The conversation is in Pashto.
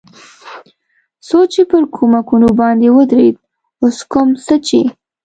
څو چې پر کومکونو باندې ودرېد، اوس کوم څه چې.